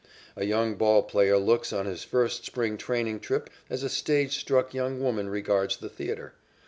A young ball player looks on his first spring training trip as a stage struck young woman regards the theatre.